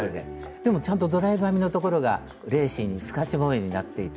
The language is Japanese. でもちゃんとドライブ編みのところがレーシーに透かし模様になっていて。